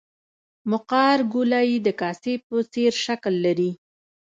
مقعر ګولایي د کاسې په څېر شکل لري